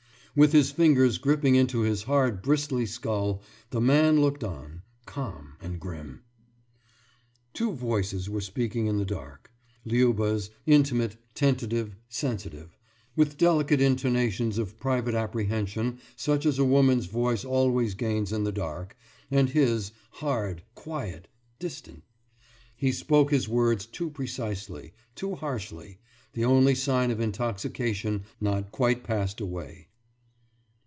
With his fingers gripping into his hard bristly skull, the man looked on, calm and grim. Two voices were speaking in the dark Liuba's, intimate, tentative, sensitive, with delicate intonations of private apprehension such as a woman's voice always gains in the dark, and his hard, quiet, distant. He spoke his words too precisely, too harshly the only sign of intoxication not quite passed away.